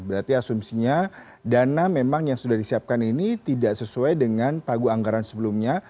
berarti asumsinya dana memang yang sudah disiapkan ini tidak sesuai dengan pagu anggaran sebelumnya